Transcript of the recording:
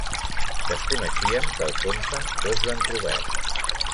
Desconeixíem que el conte fos d'en Robert.